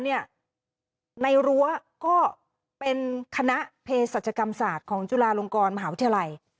ในรั้วก็เป็นคณะเพศศาจกรรมศาสตร์ของจุฬาลงกรมหาวิทยาลัย